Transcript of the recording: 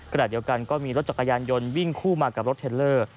ขณะเดียวกันก็มีรถจักรยานยนต์วิ่งคู่มากับรถเทลเลอร์